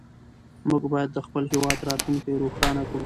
موږ باید د خپل هېواد راتلونکې روښانه کړو.